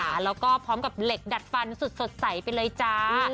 แล้วก็พร้อมกับเหล็กดัดฟันสุดสดใสไปเลยจ้า